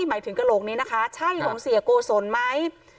หมายถึงกระโหลกนี้นะคะใช่ของเสียโกศลไหม